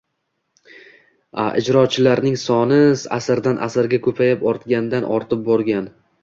a ijrochilarning soni asrdan-asrga ko’payib, ortgandan ortib borgan.